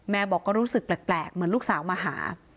บอกก็รู้สึกแปลกเหมือนลูกสาวมาหา